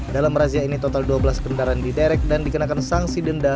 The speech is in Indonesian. dalam razia ini total dua belas kendaraan diderek dan dikenakan sanksi denda